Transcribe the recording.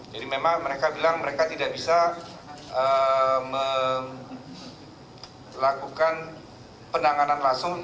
jadi memang mereka bilang mereka tidak bisa melakukan penanganan langsung